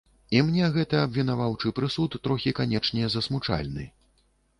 І мне гэты абвінаваўчы прысуд трохі, канечне, засмучальны.